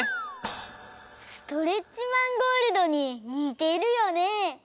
ストレッチマンゴールドににてるよね！